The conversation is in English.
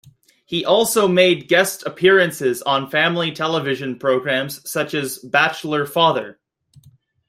He also made guest appearances on family television programs such as "Bachelor Father".